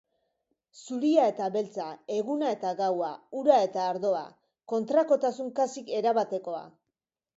Zuria eta beltza, eguna eta gaua, ura eta ardoa... kontrakotasun kasik erabatekoa.